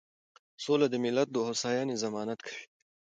سوله د ملت د هوساینې ضمانت کوي.